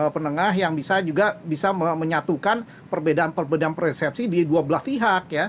penengah yang bisa juga menyatukan perbedaan persepsi di dua belah pihak